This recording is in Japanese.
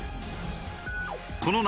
この夏